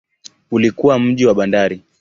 Ulikuwa mji wa bandari.